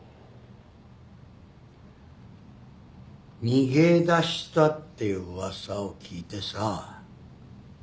逃げ出したっていう噂を聞いてさ。